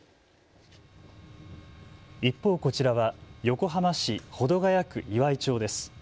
一方、こちらは横浜市保土ケ谷区岩井町です。